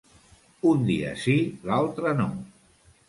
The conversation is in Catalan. Un dia sí i l'altre no.